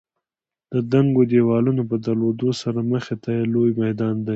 د دنګو دېوالونو په درلودلو سره مخې ته یې لوی میدان دی.